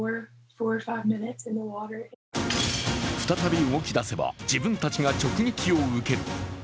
再び動きだせば、自分たちが直撃を受ける。